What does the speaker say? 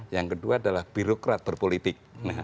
yang kedua adalah birokrat berpolitik